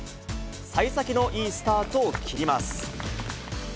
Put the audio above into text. さい先のいいスタートを切ります。